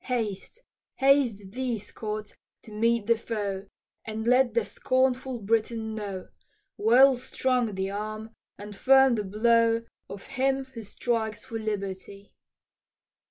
"Haste, haste thee, Scott, to meet the foe, And let the scornful Briton know, Well strung the arm and firm the blow Of him who strikes for liberty."